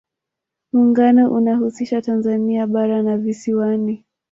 muungano unahusisha tanzania bara na visiwani